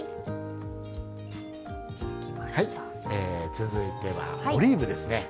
続いては、オリーブですね。